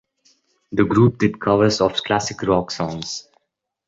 The group did covers of classic rock songs.